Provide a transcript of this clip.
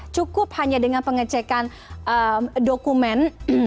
cukup hanya dengan pengecekan dokumen